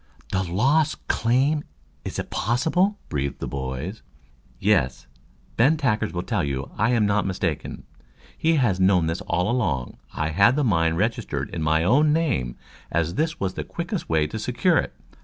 "The Lost Claim! Is it possible?" breathed the boys. "Yes, Ben Tackers will tell you I am not mistaken. He has known this all along. I had the mine registered in my own name as this was the quickest way to secure it.